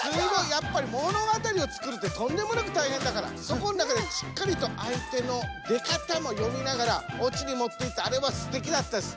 やっぱり物語を作るってとんでもなくたいへんだからそこの中でしっかりとあい手の出方も読みながらオチにもっていったあれはすてきだったです。